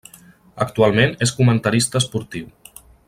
Actualment és comentarista esportiu.